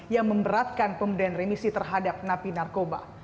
yang memberatkan pemberian remisi terhadap napi narkoba